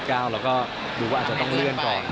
เราก็ดูว่าอาจจะต้องเลื่อนก่อน